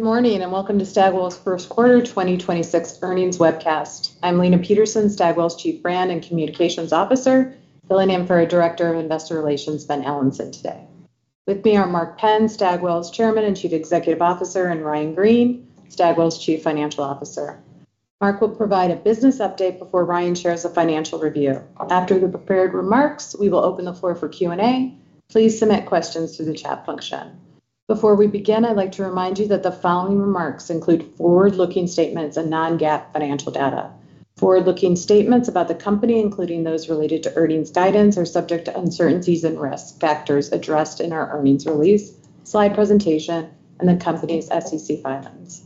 Good morning, welcome to Stagwell's First Quarter 2026 Earnings webcast. I'm Lena Petersen, Stagwell's Chief Brand and Communications Officer, filling in for our Director of Investor Relations, Ben Allanson today. With me are Mark Penn, Stagwell's Chairman and Chief Executive Officer, Ryan Greene, Stagwell's Chief Financial Officer. Mark will provide a business update before Ryan shares a financial review. After the prepared remarks, we will open the floor for Q&A. Please submit questions through the chat function. Before we begin, I'd like to remind you that the following remarks include forward-looking statements and non-GAAP financial data. Forward-looking statements about the company, including those related to earnings guidance, are subject to uncertainties and risks, factors addressed in our earnings release, slide presentation, and the company's SEC filings.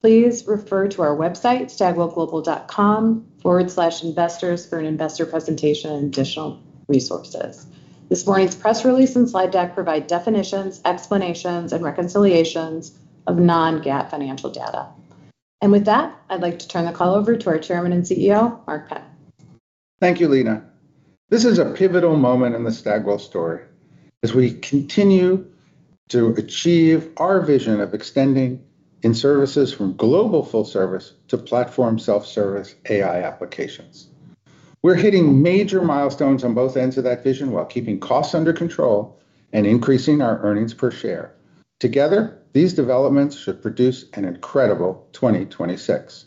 Please refer to our website, stagwellglobal.com/investors, for an investor presentation and additional resources. This morning's press release and slide deck provide definitions, explanations, and reconciliations of non-GAAP financial data. With that, I'd like to turn the call over to our Chairman and CEO, Mark Penn. Thank you, Lena Petersen. This is a pivotal moment in the Stagwell story as we continue to achieve our vision of extending in services from global full service to platform self-service AI applications. We're hitting major milestones on both ends of that vision while keeping costs under control and increasing our earnings per share. Together, these developments should produce an incredible 2026.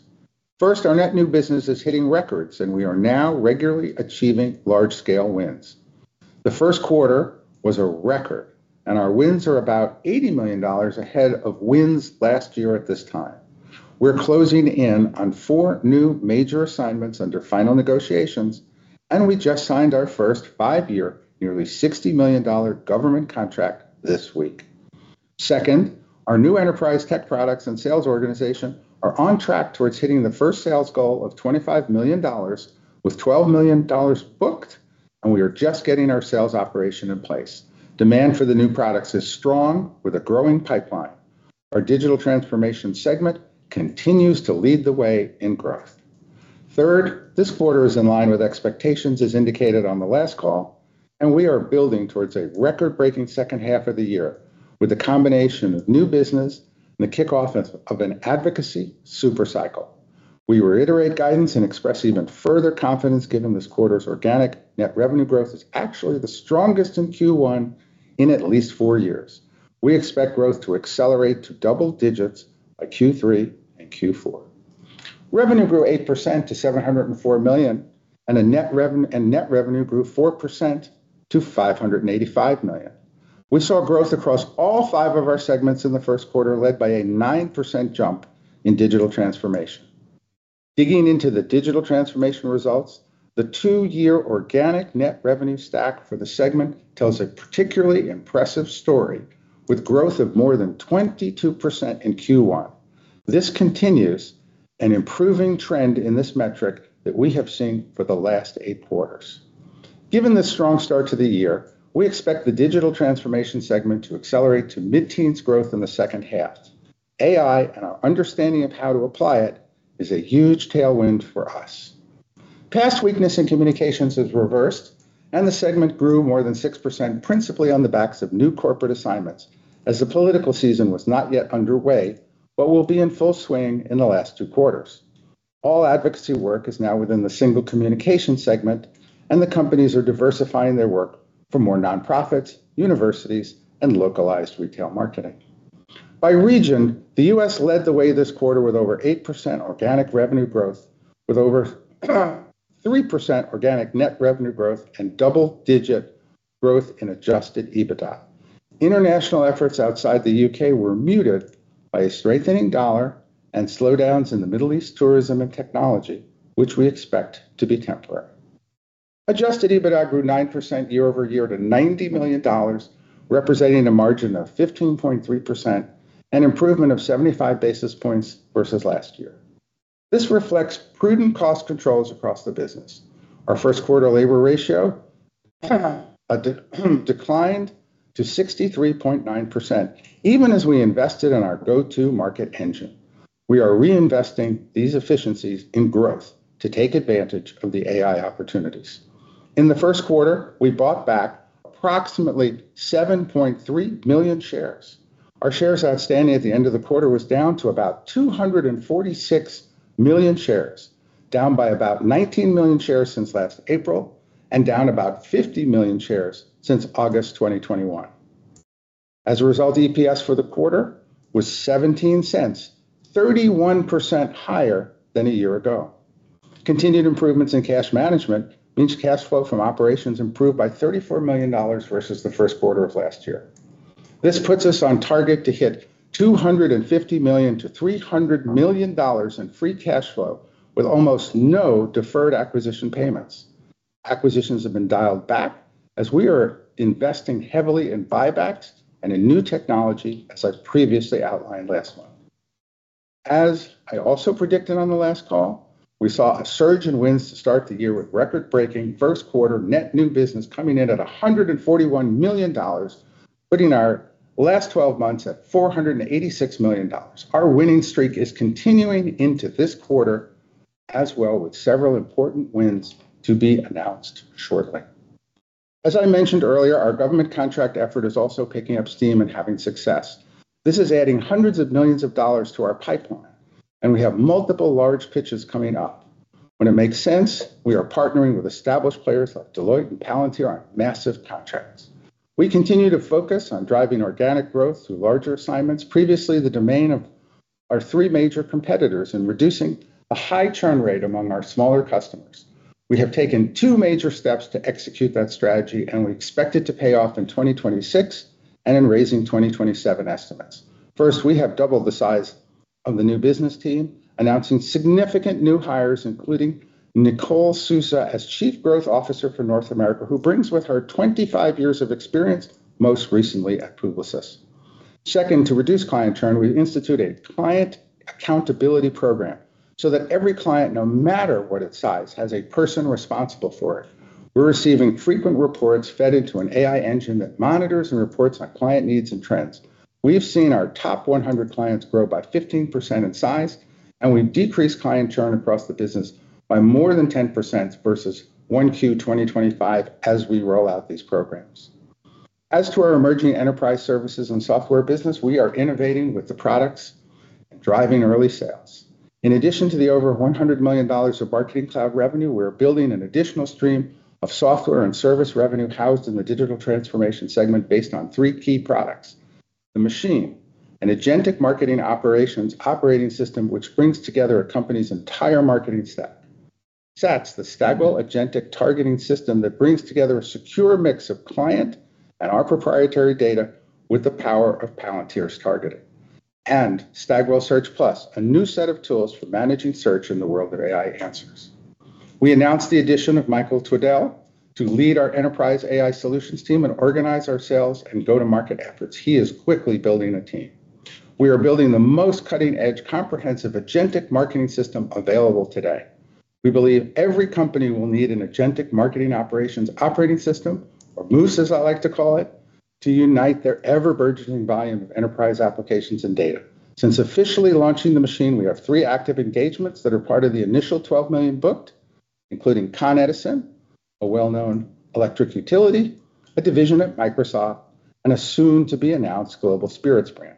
First, our net new business is hitting records, and we are now regularly achieving large-scale wins. The first quarter was a record, and our wins are about $80 million ahead of wins last year at this time. We're closing in on four new major assignments under final negotiations, and we just signed our first five-year, nearly $60 million government contract this week. Second, our new enterprise tech products and sales organization are on track towards hitting the first sales goal of $25 million, with $12 million booked, and we are just getting our sales operation in place. Demand for the new products is strong with a growing pipeline. Our digital transformation segment continues to lead the way in growth. Third, this quarter is in line with expectations as indicated on the last call, and we are building towards a record-breaking second half of the year with a combination of new business and the kickoff of an advocacy super cycle. We reiterate guidance and express even further confidence given this quarter's organic net revenue growth is actually the strongest in Q1 in at least four years. We expect growth to accelerate to double digits by Q3 and Q4. Revenue grew 8% to $704 million, and net revenue grew 4% to $585 million. We saw growth across all five of our segments in the first quarter, led by a 9% jump in Digital Transformation. Digging into the Digital Transformation results, the two-year organic net revenue stack for the segment tells a particularly impressive story with growth of more than 22% in Q1. This continues an improving trend in this metric that we have seen for the last eight quarters. Given the strong start to the year, we expect the Digital Transformation segment to accelerate to mid-teens growth in the second half. AI and our understanding of how to apply it is a huge tailwind for us. Past weakness in Communications has reversed. The segment grew more than 6%, principally on the backs of new corporate assignments, as the political season was not yet underway but will be in full swing in the last two quarters. All advocacy work is now within the single Communications segment. The companies are diversifying their work for more nonprofits, universities, and localized retail marketing. By region, the U.S. led the way this quarter with over 8% organic revenue growth, with over 3% organic net revenue growth and double-digit growth in Adjusted EBITDA. International efforts outside the U.K. were muted by a strengthening dollar and slowdowns in the Middle East tourism and technology, which we expect to be temporary. Adjusted EBITDA grew 9% year-over-year to $90 million, representing a margin of 15.3%, an improvement of 75 basis points versus last year. This reflects prudent cost controls across the business. Our first quarter labor ratio declined to 63.9%, even as we invested in our go-to market engine. We are reinvesting these efficiencies in growth to take advantage of the AI opportunities. In the first quarter, we bought back approximately 7.3 million shares. Our shares outstanding at the end of the quarter was down to about 246 million shares. Down by about 19 million shares since last April and down about 50 million shares since August 2021. As a result, EPS for the quarter was $0.17, 31% higher than a year ago. Continued improvements in cash management means cash flow from operations improved by $34 million versus the first quarter of last year. This puts us on target to hit $250 million-$300 million in free cash flow with almost no deferred acquisition payments. Acquisitions have been dialed back as we are investing heavily in buybacks and in new technology, as I previously outlined last month. As I also predicted on the last call, we saw a surge in wins to start the year with record-breaking first quarter net new business coming in at $141 million, putting our last 12 months at $486 million. Our winning streak is continuing into this quarter as well, with several important wins to be announced shortly. As I mentioned earlier, our government contract effort is also picking up steam and having success. This is adding hundreds of millions to our pipeline, and we have multiple large pitches coming up. When it makes sense, we are partnering with established players like Deloitte and Palantir on massive contracts. We continue to focus on driving organic growth through larger assignments, previously the domain of our three major competitors, and reducing a high churn rate among our smaller customers. We have taken two major steps to execute that strategy, and we expect it to pay off in 2026 and in raising 2027 estimates. First, we have doubled the size of the new business team, announcing significant new hires, including Nicole Souza as Chief Growth Officer for North America, who brings with her 25 years of experience, most recently at Publicis Groupe. Second, to reduce client churn, we've instituted a client accountability program so that every client, no matter what its size, has a person responsible for it. We're receiving frequent reports fed into an AI engine that monitors and reports on client needs and trends. We have seen our top 100 clients grow by 15% in size, and we've decreased client churn across the business by more than 10% versus 1Q 2025 as we roll out these programs. As to our emerging enterprise services and software business, we are innovating with the products and driving early sales. In addition to the over $100 million of Marketing Cloud revenue, we are building an additional stream of software and service revenue housed in the digital transformation segment based on three key products. The Machine, an agentic marketing operations operating system which brings together a company's entire marketing stack. SATS, the Stagwell Agentic Targeting system that brings together a secure mix of client and our proprietary data with the power of Palantir's targeting. Stagwell Search+, a new set of tools for managing search in the world of AI answers. We announced the addition of Michael Tweddell to lead our enterprise AI solutions team and organize our sales and go-to-market efforts. He is quickly building a team. We are building the most cutting-edge, comprehensive agentic marketing system available today. We believe every company will need an agentic marketing operations operating system, or MOOS, as I like to call it, to unite their ever-burgeoning volume of enterprise applications and data. Since officially launching The Machine, we have 3 active engagements that are part of the initial $12 million booked, including Con Edison, a well-known electric utility, a division at Microsoft, and a soon-to-be-announced Global Spirits brand.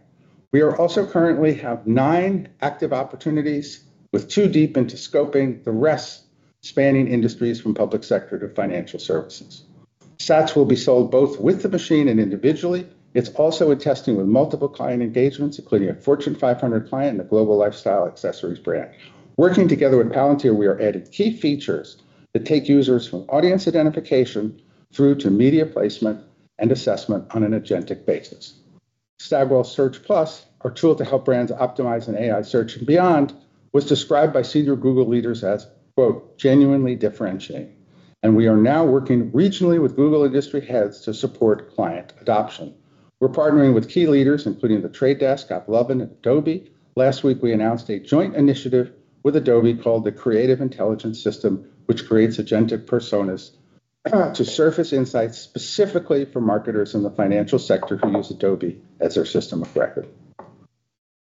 We are also currently have 9 active opportunities with 2 deep into scoping the rest spanning industries from public sector to financial services. SATS will be sold both with The Machine and individually. It's also in testing with multiple client engagements, including a Fortune 500 client and a global lifestyle accessories brand. Working together with Palantir, we are adding key features that take users from audience identification through to media placement and assessment on an agentic basis. Stagwell Search+, our tool to help brands optimize in AI search and beyond, was described by senior Google leaders as, quote, "Genuinely differentiating." We are now working regionally with Google industry heads to support client adoption. We're partnering with key leaders, including The Trade Desk, AppLovin, and Adobe. Last week, we announced a joint initiative with Adobe called the Creative Intelligence System, which creates agentic personas to surface insights specifically for marketers in the financial sector who use Adobe as their system of record.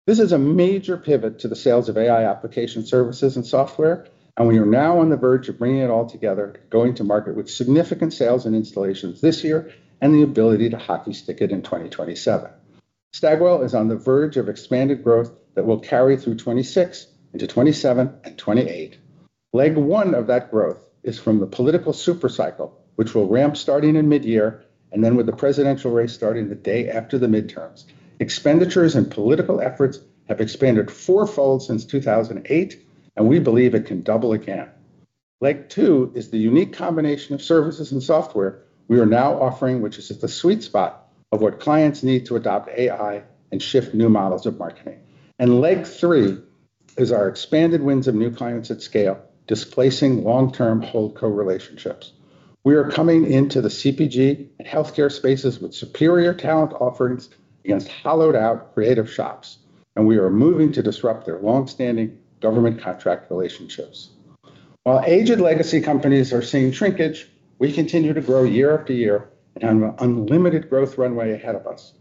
This is a major pivot to the sales of AI application services and software. We are now on the verge of bringing it all together, going to market with significant sales and installations this year and the ability to hockey stick it in 2027. Stagwell is on the verge of expanded growth that will carry through 2026 into 2027 and 2028. Leg 1 of that growth is from the political supercycle, which will ramp starting in mid-year, and then with the presidential race starting the day after the midterms. Expenditures and political efforts have expanded fourfold since 2008, and we believe it can double again. Leg 2 is the unique combination of services and software we are now offering, which is at the sweet spot of what clients need to adopt AI and shift new models of marketing. Leg 3 is our expanded wins of new clients at scale, displacing long-term holdco relationships. We are coming into the CPG and healthcare spaces with superior talent offerings against hollowed-out creative shops, and we are moving to disrupt their long-standing government contract relationships. While aged legacy companies are seeing shrinkage, we continue to grow year after year and have an unlimited growth runway ahead of us.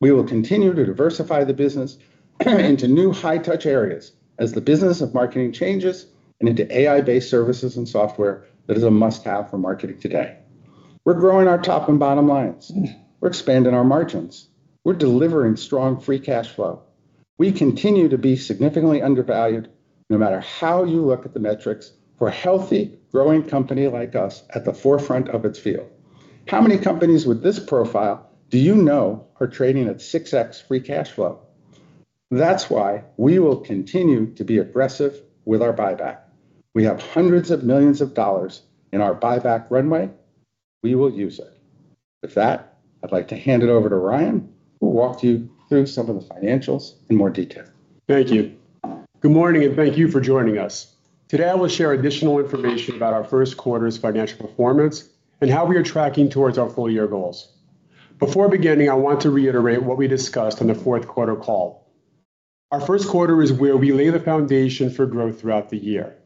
We will continue to diversify the business into new high-touch areas as the business of marketing changes and into AI-based services and software that is a must-have for marketing today. We're growing our top and bottom lines. We're expanding our margins. We're delivering strong free cash flow. We continue to be significantly undervalued no matter how you look at the metrics for a healthy, growing company like us at the forefront of its field. How many companies with this profile do you know are trading at 6x free cash flow? That's why we will continue to be aggressive with our buyback. We have hundreds of millions of dollars in our buyback runway. We will use it. With that, I'd like to hand it over to Ryan, who will walk you through some of the financials in more detail. Thank you. Good morning, and thank you for joining us. Today, I will share additional information about our first quarter's financial performance and how we are tracking towards our full-year goals. Before beginning, I want to reiterate what we discussed on the fourth quarter call. Our first quarter is where we lay the foundation for growth throughout the year,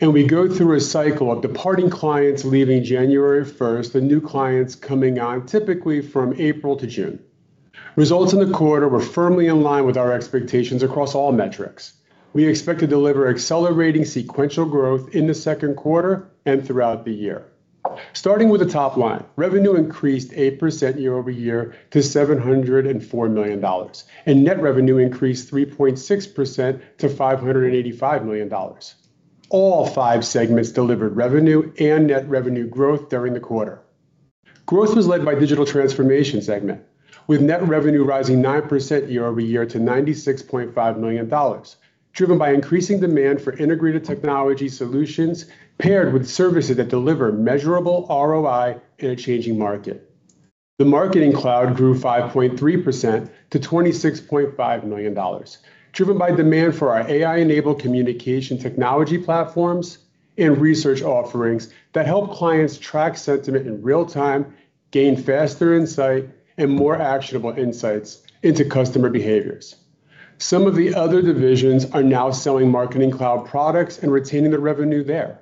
and we go through a cycle of departing clients leaving January first and new clients coming on typically from April to June. Results in the quarter were firmly in line with our expectations across all metrics. We expect to deliver accelerating sequential growth in the second quarter and throughout the year. Starting with the top line, revenue increased 8% year-over-year to $704 million, and net revenue increased 3.6% to $585 million. All five segments delivered revenue and net revenue growth during the quarter. Growth was led by Digital Transformation segment, with net revenue rising 9% year-over-year to $96.5 million, driven by increasing demand for integrated technology solutions paired with services that deliver measurable ROI in a changing market. The Marketing Cloud grew 5.3% to $26.5 million, driven by demand for our AI-enabled communication technology platforms and research offerings that help clients track sentiment in real time, gain faster insight and more actionable insights into customer behaviors. Some of the other divisions are now selling Marketing Cloud products and retaining the revenue there.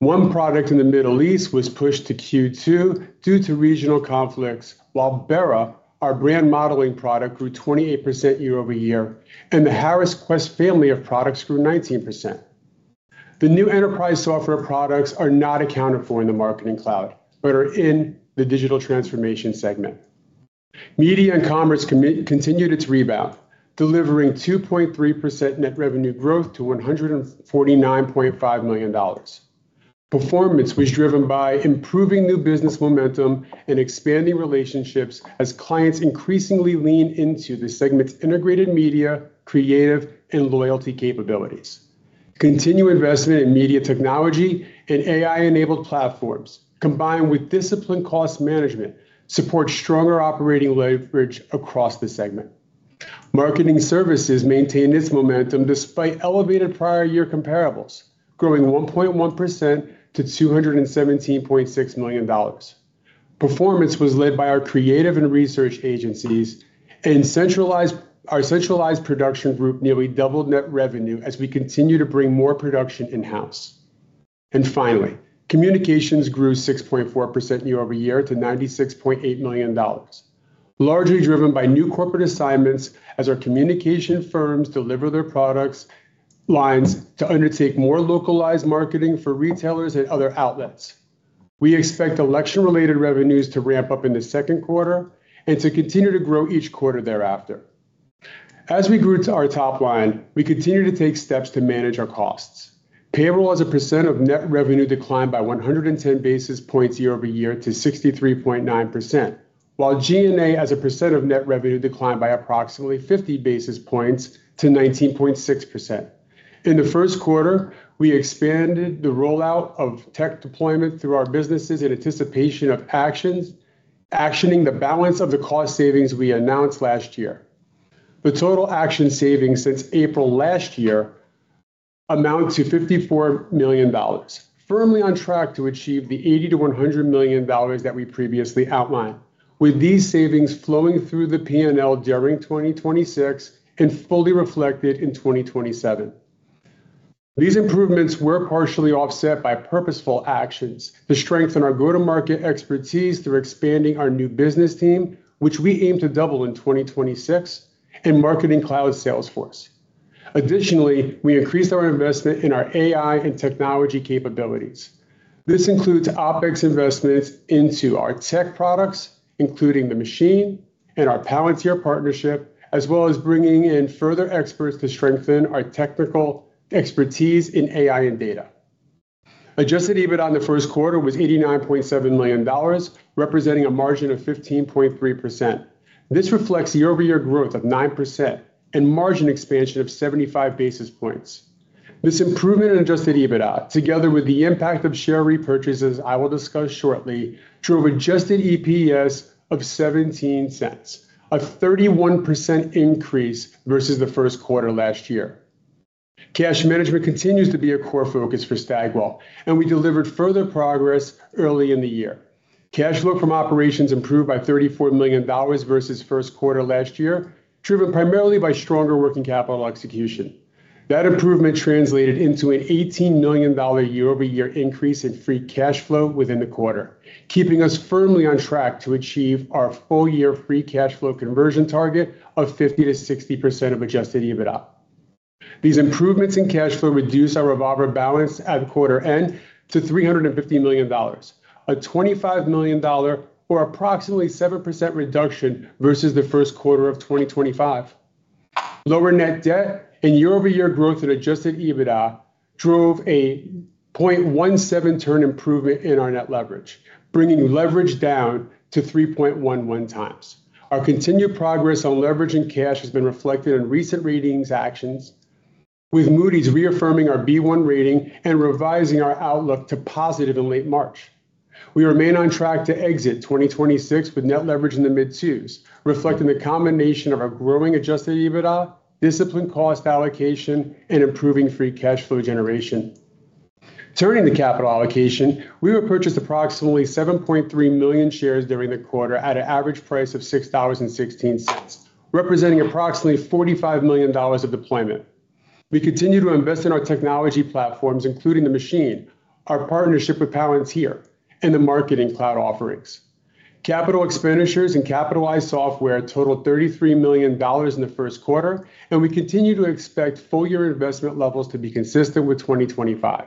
One product in the Middle East was pushed to Q2 due to regional conflicts, while BERA, our brand modeling product, grew 28% year-over-year, and the Harris Quest family of products grew 19%. The new enterprise software products are not accounted for in the Marketing Cloud, but are in the digital transformation segment. Media and Commerce continue its rebound, delivering 2.3% net revenue growth to $149.5 million. Performance was driven by improving new business momentum and expanding relationships as clients increasingly lean into the segment's integrated media, creative, and loyalty capabilities. Continued investment in media technology and AI-enabled platforms, combined with disciplined cost management, support stronger operating leverage across the segment. Marketing Services maintained its momentum despite elevated prior year comparables, growing 1.1% to $217.6 million. Performance was led by our creative and research agencies, our centralized production group nearly doubled net revenue as we continue to bring more production in-house. Finally, communications grew 6.4% year-over-year to $96.8 million, largely driven by new corporate assignments as our communication firms deliver their product lines to undertake more localized marketing for retailers and other outlets. We expect election-related revenues to ramp up in the second quarter and to continue to grow each quarter thereafter. As we grew to our top line, we continued to take steps to manage our costs. Payroll as a percent of net revenue declined by 110 basis points year-over-year to 63.9%, while G&A as a percent of net revenue declined by approximately 50 basis points to 19.6%. In the first quarter, we expanded the rollout of tech deployment through our businesses in anticipation of actioning the balance of the cost savings we announced last year. The total action savings since April last year amount to $54 million, firmly on track to achieve the $80 million-$100 million that we previously outlined. With these savings flowing through the P&L during 2026 and fully reflected in 2027. These improvements were partially offset by purposeful actions to strengthen our go-to-market expertise through expanding our new business team, which we aim to double in 2026 and Marketing Cloud sales force. Additionally, we increased our investment in our AI and technology capabilities. This includes OpEx investments into our tech products, including The Machine and our Palantir partnership, as well as bringing in further experts to strengthen our technical expertise in AI and data. Adjusted EBITDA on the first quarter was $89.7 million, representing a margin of 15.3%. This reflects year-over-year growth of 9% and margin expansion of 75 basis points. This improvement in Adjusted EBITDA, together with the impact of share repurchases I will discuss shortly, drove Adjusted EPS of $0.17, a 31% increase versus the first quarter last year. Cash management continues to be a core focus for Stagwell, and we delivered further progress early in the year. Cash flow from operations improved by $34 million versus first quarter last year, driven primarily by stronger working capital execution. That improvement translated into an $18 million year-over-year increase in free cash flow within the quarter, keeping us firmly on track to achieve our full year free cash flow conversion target of 50%-60% of Adjusted EBITDA. These improvements in cash flow reduce our revolver balance at quarter end to $350 million, a $25 million or approximately 7% reduction versus the first quarter of 2025. Lower net debt and year-over-year growth in Adjusted EBITDA drove a 0.17 turn improvement in our net leverage, bringing leverage down to 3.11 times. Our continued progress on leverage and cash has been reflected in recent ratings actions, with Moody's reaffirming our B1 rating and revising our outlook to positive in late March. We remain on track to exit 2026 with net leverage in the mid-twos, reflecting the combination of our growing Adjusted EBITDA, disciplined cost allocation, and improving free cash flow generation. Turning to capital allocation, we repurchased approximately 7.3 million shares during the quarter at an average price of $6.16, representing approximately $45 million of deployment. We continue to invest in our technology platforms, including The Machine, our partnership with Palantir, and the Marketing Cloud offerings. Capital expenditures and capitalized software totaled $33 million in the first quarter. We continue to expect full-year investment levels to be consistent with 2025.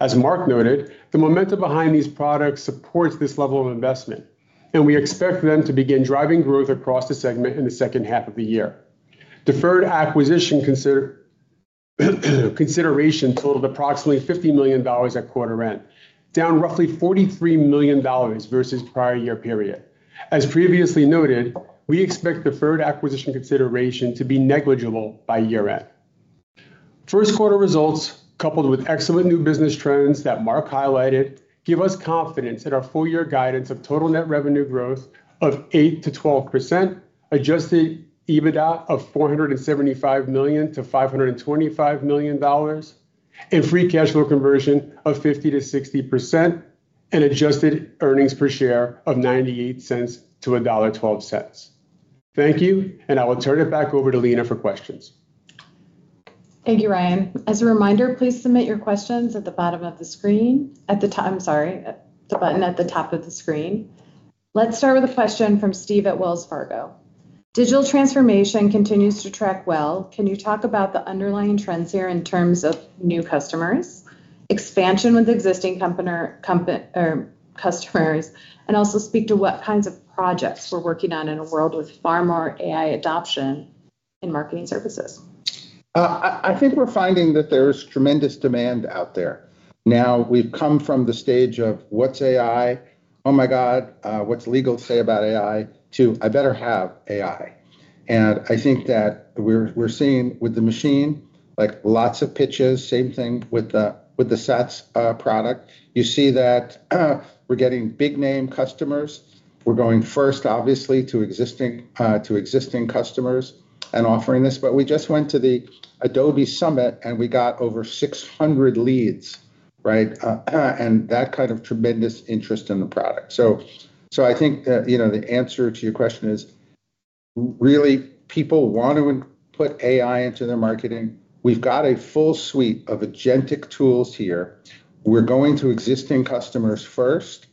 As Mark noted, the momentum behind these products supports this level of investment. We expect them to begin driving growth across the segment in the second half of the year. Deferred acquisition consideration totaled approximately $50 million at quarter end, down roughly $43 million versus prior year period. As previously noted, we expect deferred acquisition consideration to be negligible by year end. First quarter results, coupled with excellent new business trends that Mark highlighted, give us confidence in our full-year guidance of total net revenue growth of 8%-12%, Adjusted EBITDA of $475 million-$525 million, and free cash flow conversion of 50%-60%, and adjusted earnings per share of $0.98-$1.12. Thank you, and I will turn it back over to Lena for questions. Thank you, Ryan. As a reminder, please submit your questions at the bottom of the screen. I'm sorry, the button at the top of the screen. Let's start with a question from Steve at Wells Fargo. Digital transformation continues to track well. Can you talk about the underlying trends here in terms of new customers, expansion with existing customers, and also speak to what kinds of projects we're working on in a world with far more AI adoption in marketing services? I think we're finding that there's tremendous demand out there. We've come from the stage of what's AI, oh my god, what's legal say about AI, to I better have AI. I think that we're seeing with The Machine, like lots of pitches, same thing with the SATS product. You see that we're getting big name customers. We're going first, obviously, to existing customers and offering this. We just went to the Adobe Summit, and we got over 600 leads, right? That kind of tremendous interest in the product. I think, you know, the answer to your question is really people want to put AI into their marketing. We've got a full suite of agentic tools here. We're going to existing customers first,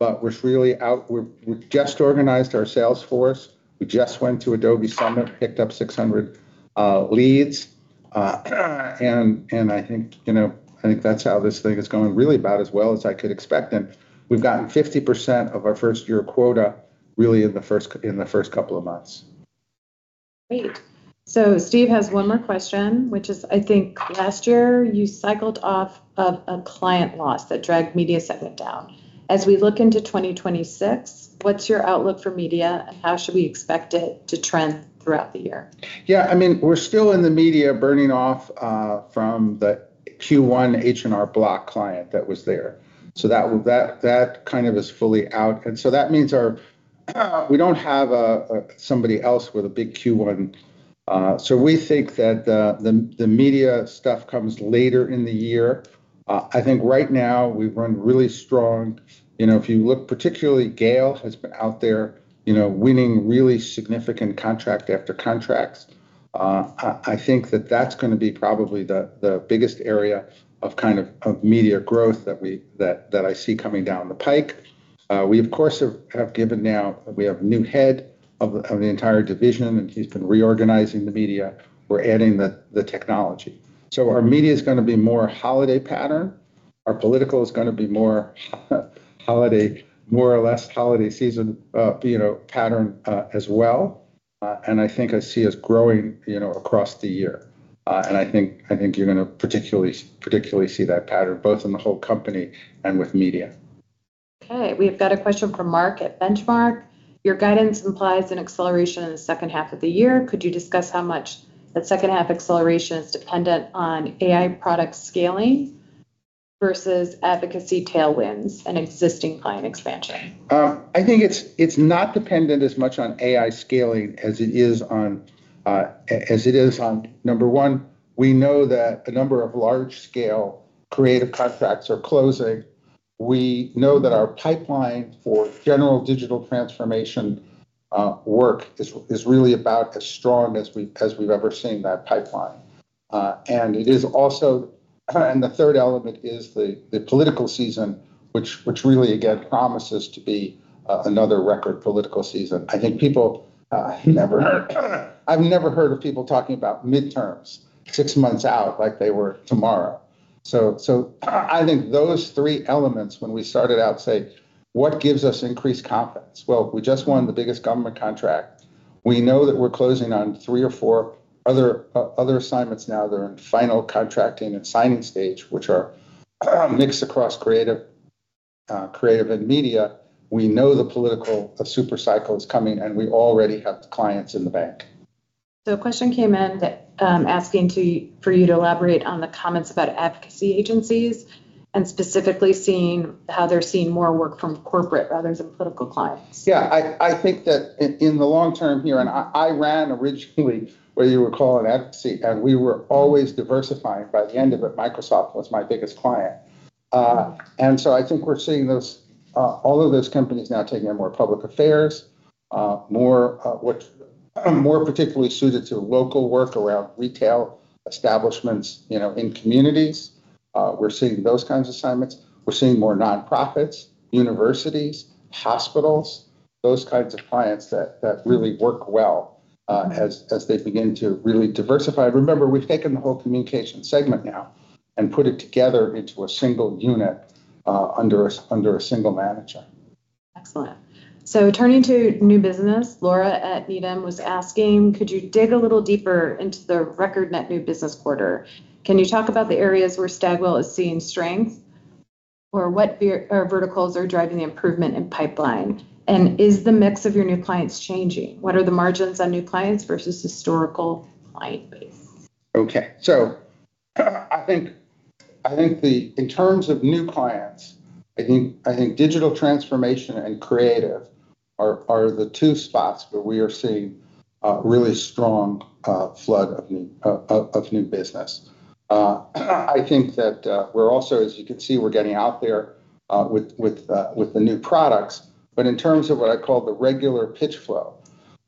we just organized our sales force. We just went to Adobe Summit, picked up 600 leads. I think, you know, I think that's how this thing is going really about as well as I could expect. We've gotten 50% of our first year quota really in the first couple of months. Great. Steve has one more question, which is, I think last year you cycled off of a client loss that dragged media segment down. As we look into 2026, what's your outlook for media, and how should we expect it to trend throughout the year? Yeah, I mean, we're still in the media burning off from the Q1 H&R Block client that was there. That kind of is fully out. That means we don't have somebody else with a big Q1. We think that the media stuff comes later in the year. I think right now we've run really strong. You know, if you look particularly, Gale has been out there, you know, winning really significant contract after contracts. I think that that's gonna be probably the biggest area of kind of media growth that I see coming down the pike. We of course have. We have a new head of the entire division, he's been reorganizing the media. We're adding the technology. Our media's gonna be more holiday pattern. Our political is gonna be more holiday, more or less holiday season, you know, pattern, as well. I think I see us growing, you know, across the year. I think, I think you're gonna particularly see that pattern both in the whole company and with media. Okay. We've got a question from Mark at Benchmark. Your guidance implies an acceleration in the second half of the year. Could you discuss how much that second half acceleration is dependent on AI product scaling versus advocacy tailwinds and existing client expansion? I think it's not dependent as much on AI scaling as it is on, as it is on number one, we know that a number of large-scale creative contracts are closing. We know that our pipeline for general digital transformation work is really about as strong as we've ever seen that pipeline. And the third element is the political season, which really again promises to be another record political season. I think people I've never heard of people talking about midterms six months out like they were tomorrow. So I think those three elements when we started out say, "What gives us increased confidence?" Well, we just won the biggest government contract. We know that we're closing on three or four other assignments now that are in final contracting and signing stage, which are mixed across creative and media. We know the political super cycle is coming, and we already have the clients in the bank. A question came in that, asking for you to elaborate on the comments about advocacy agencies and specifically seeing how they're seeing more work from corporate rather than political clients. I think that in the long term here, I ran originally what you would call an advocacy, and we were always diversifying. By the end of it, Microsoft was my biggest client. I think we're seeing those, all of those companies now taking on more public affairs, more particularly suited to local work around retail establishments, you know, in communities. We're seeing those kinds of assignments. We're seeing more non-profits, universities, hospitals, those kinds of clients that really work well, as they begin to really diversify. Remember, we've taken the whole communications segment now and put it together into a single unit, under a single manager. Excellent. Turning to new business, Laura at Needham was asking, could you dig a little deeper into the record net new business quarter? Can you talk about the areas where Stagwell is seeing strength? Or what verticals are driving the improvement in pipeline? Is the mix of your new clients changing? What are the margins on new clients versus historical client base? I think the, in terms of new clients, I think digital transformation and creative are the two spots where we are seeing a really strong flood of new business. I think that, we're also, as you can see, we're getting out there with the new products. In terms of what I call the regular pitch flow,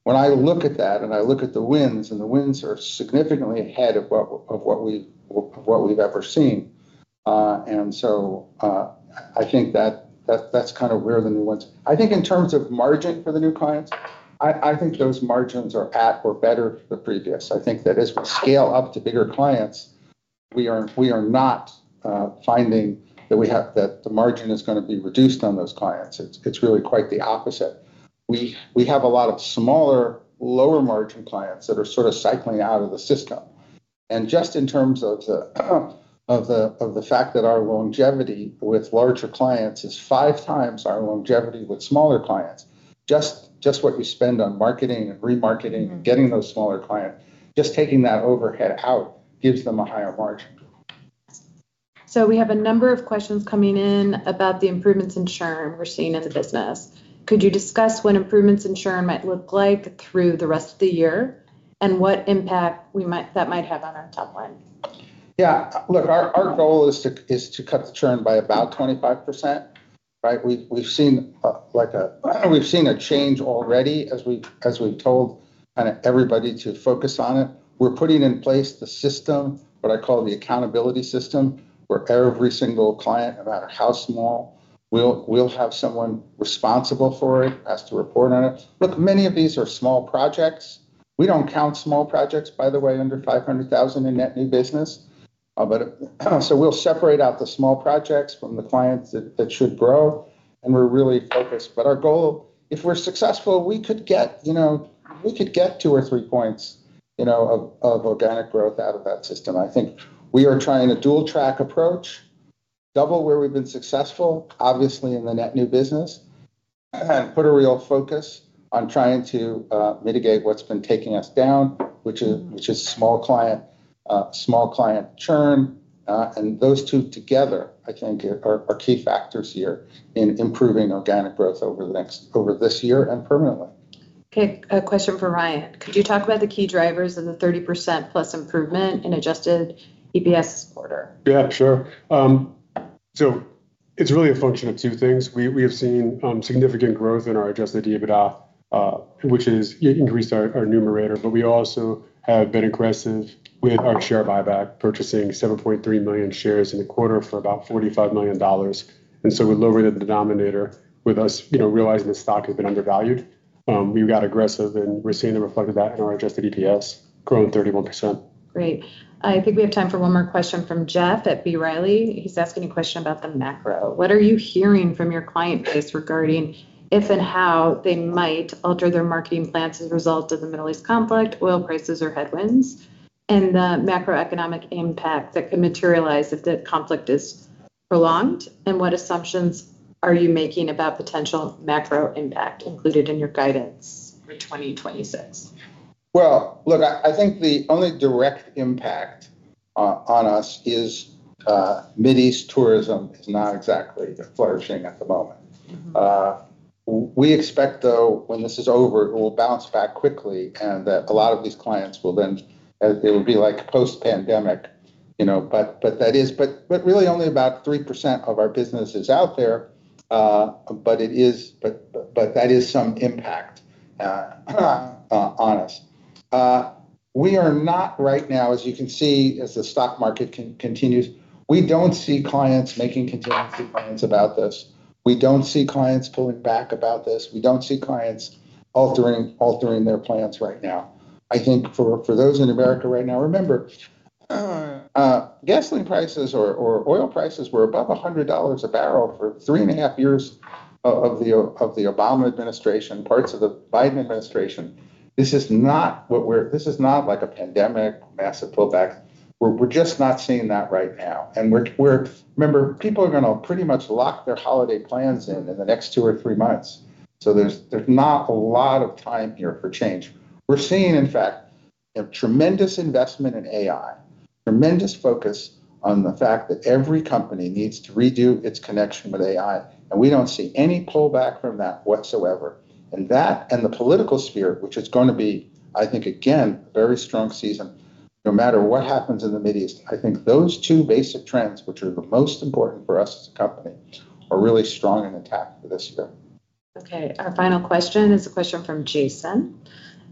when I look at that and I look at the wins, and the wins are significantly ahead of what we've ever seen. I think that's kind of where the new ones. I think in terms of margin for the new clients, I think those margins are at or better than the previous. I think that as we scale up to bigger clients, we are not finding that we have, that the margin is gonna be reduced on those clients. It's really quite the opposite. We have a lot of smaller, lower margin clients that are sort of cycling out of the system. Just in terms of the fact that our longevity with larger clients is five times our longevity with smaller clients, just what we spend on marketing and remarketing. Getting those smaller client, just taking that overhead out gives them a higher margin. We have a number of questions coming in about the improvements in churn we're seeing in the business. Could you discuss what improvements in churn might look like through the rest of the year, and what impact that might have on our top line? Yeah. Look, our goal is to cut the churn by about 25%, right? We've seen a change already as we've told kind of everybody to focus on it. We're putting in place the system, what I call the accountability system, where every single client, no matter how small, will have someone responsible for it, has to report on it. Look, many of these are small projects. We don't count small projects, by the way, under $500,000 in net new business. We'll separate out the small projects from the clients that should grow, and we're really focused. Our goal, if we're successful, we could get, you know, we could get two or three points, you know, of organic growth out of that system. I think we are trying a dual track approach. Double where we've been successful, obviously in the net new business, and put a real focus on trying to mitigate what's been taking us down, which is small client churn. Those two together, I think are key factors here in improving organic growth over the next, over this year and permanently. Okay. A question from Ryan. Could you talk about the key drivers of the 30% plus improvement in adjusted EPS this quarter? Yeah, sure. It's really a function of 2 things. We have seen significant growth in our Adjusted EBITDA, which has increased our numerator, but we also have been aggressive with our share buyback, purchasing 7.3 million shares in a quarter for about $45 million. We lowered the denominator with us, you know, realizing the stock had been undervalued. We got aggressive, and we're seeing the reflect of that in our Adjusted EPS, growing 31%. Great. I think we have time for one more question from Jeff at B. Riley. He's asking a question about the macro. What are you hearing from your client base regarding if and how they might alter their marketing plans as a result of the Middle East conflict, oil prices or headwinds, and the macroeconomic impact that could materialize if the conflict is prolonged? What assumptions are you making about potential macro impact included in your guidance for 2026? Well, look, I think the only direct impact on us is Middle East tourism is not exactly flourishing at the moment. Mm-hmm. We expect, though, when this is over, it will bounce back quickly, and that a lot of these clients will then, they would be like post-pandemic, you know? That is really only about 3% of our business is out there, it is that is some impact on us. We are not right now, as you can see, as the stock market continues, we don't see clients making contingency plans about this. We don't see clients pulling back about this. We don't see clients altering their plans right now. I think for those in America right now, remember, gasoline prices or oil prices were above $100 a barrel for 3.5 years of the Obama administration, parts of the Biden administration. This is not like a pandemic, massive pullback. We're just not seeing that right now, and Remember, people are gonna pretty much lock their holiday plans in the next two or three months, so there's not a lot of time here for change. We're seeing, in fact, a tremendous investment in AI, tremendous focus on the fact that every company needs to redo its connection with AI, and we don't see any pullback from that whatsoever. That and the political sphere, which is gonna be, I think, again, a very strong season, no matter what happens in the Mid East. I think those two basic trends, which are the most important for us as a company, are really strong and intact for this year. Okay. Our final question is a question from Jason.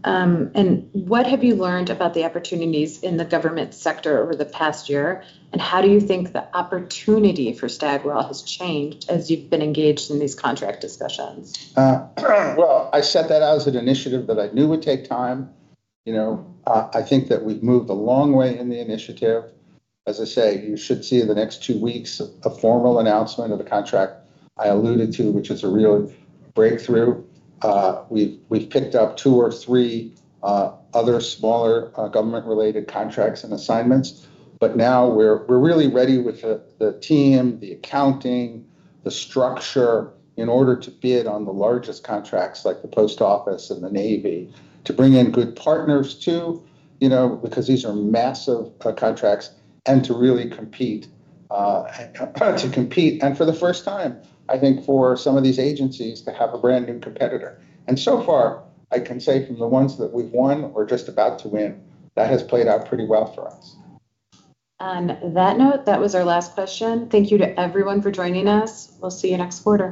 What have you learned about the opportunities in the government sector over the past year, and how do you think the opportunity for Stagwell has changed as you've been engaged in these contract discussions? Well, I set that out as an initiative that I knew would take time. You know, I think that we've moved a long way in the initiative. As I say, you should see in the next two weeks a formal announcement of the contract I alluded to, which is a real breakthrough. We've picked up two or three other smaller government-related contracts and assignments, but now we're really ready with the team, the accounting, the structure in order to bid on the largest contracts, like the post office and the Navy, to bring in good partners too, you know, because these are massive contracts, and to really compete. For the first time, I think, for some of these agencies to have a brand-new competitor. So far, I can say from the ones that we've won or just about to win, that has played out pretty well for us. On that note, that was our last question. Thank you to everyone for joining us. We'll see you next quarter.